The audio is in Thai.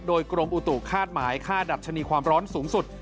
โดยกรมอุตุคาดหมายค่าดัชนีความร้อนสูงสุด